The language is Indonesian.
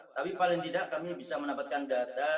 tapi paling tidak kami bisa mendapatkan data